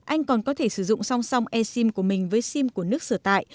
anh còn có thể sử dụng song song e sim của mình với sim của nước sửa tại